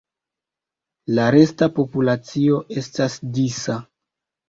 La resta populacio estas disa.